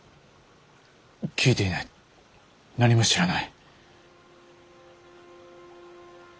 聞いていない何も知らない。